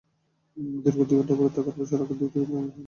দীর্ঘ দুই ঘণ্টা অবরোধ থাকায় সড়কের দুই দিকে দীর্ঘ যানজটের সৃষ্টি হয়।